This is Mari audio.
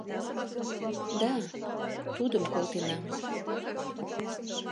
— Да... тудым колтенам...